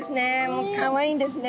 もうかわいいんですね。